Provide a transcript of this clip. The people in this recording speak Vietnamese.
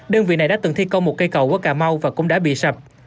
đơn vị này đã từng thi công một cây cầu ở cà mau và cũng đã bị sập